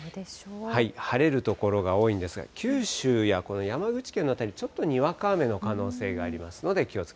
晴れる所が多いんですが、九州や山口県の辺り、ちょっとにわか雨の可能性がありますので、気をつ